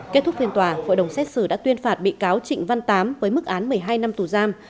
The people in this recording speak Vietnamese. kết thúc phiên tòa hội đồng xét xử đã tuyên phạt bị cáo trịnh văn tám với mức án một mươi hai năm tù giam